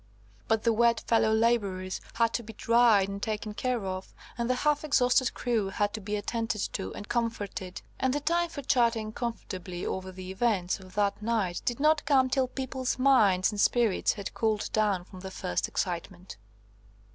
But the wet fellow labourers had to be dried and taken care of, and the half exhausted crew had to be attended to and comforted; and the time for chatting comfortably over the events of that night did not come till people's minds and spirits had cooled down from the first excitement.